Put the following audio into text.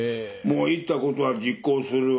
言ったことは実行する。